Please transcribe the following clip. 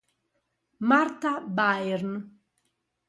Martha Byrne